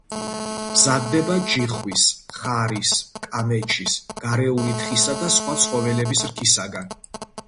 მზადდება ჯიხვის, ხარის, კამეჩის, გარეული თხისა და სხვა ცხოველების რქისაგან.